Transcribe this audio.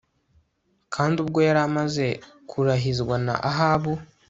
kandi ubwo yari amaze kurahizwa na Ahabu